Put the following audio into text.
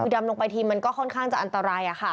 คือดำลงไปทีมันก็ค่อนข้างจะอันตราย